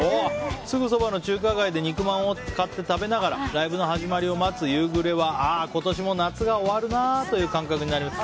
すぐそばの中華街で肉まんを買って食べながらライブの始まりを待つ夕暮れは今年も夏が終わるなという感覚になります。